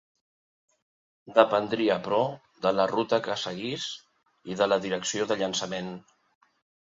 Dependria, però, de la ruta que seguís i de la direcció de llançament.